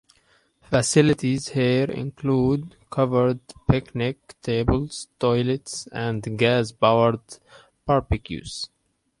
Facilities here include covered picnic tables, toilets and gas-powered barbecues.